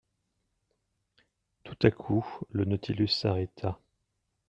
Tout à coup le Nautilus s'arrêta.